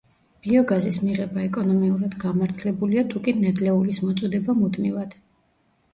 ბიოგაზის მიღება ეკონომიურად გამართლებულია, თუკი ნედლეულის მოწოდება მუდმივად.